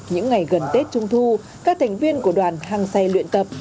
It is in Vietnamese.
những ngày gần tết trung thu các thành viên của đoàn hàng xe luyện tập